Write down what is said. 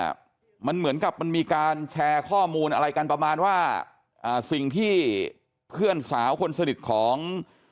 มันเหมือนกับมันมีการแชร์ข้อมูลอะไรกันประมาณว่าอ่าสิ่งที่เพื่อนสาวคนสนิทของ